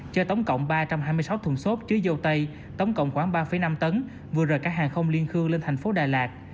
cho tổng cộng ba trăm hai mươi sáu thùng xốp chứa dâu tây tổng cộng khoảng ba năm tấn vừa rời cảng hàng không liên khương lên thành phố đà lạt